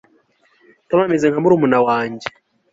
tom ameze nka murumuna wanjye